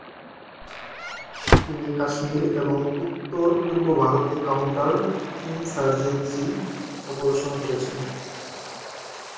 তিনি কাশ্মীর এবং উত্তর-পূর্ব ভারতে কাউন্টার-ইনসার্জেন্সী অপারেশন করেছেন।